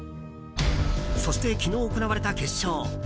そして昨日行われた決勝。